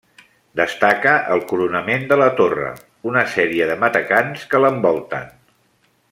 Destaca el coronament de la torre, una sèrie de matacans que l'envolten.